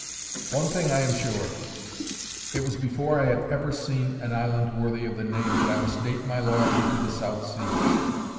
One thing I am sure: it was before I had ever seen an island worthy of the name that I must date my loyalty to the South Seas.